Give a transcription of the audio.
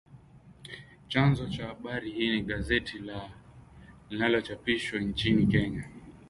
Chanzo cha habari hii ni gazeti la linalochapishwa nchini Kenya